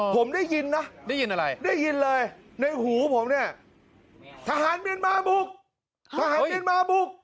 ผมได้ยินนะได้ยินอะไรได้ยินเลยในหูผมเนี่ยทหารเมียนมาบุกทหารเมียนมาบุก